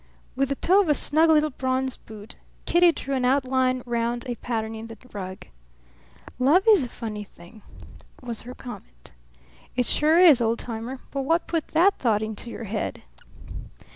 With the toe of a snug little bronze boot Kitty drew an outline round a pattern in the rug. "Love is a funny thing," was her comment. "It sure is, old timer. But what put the thought into your head?"